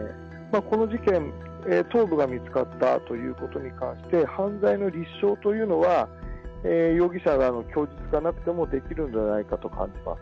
この事件、頭部が見つかったということに関して、犯罪の立証というのは、容疑者らの供述がなくてもできるのではないかと感じます。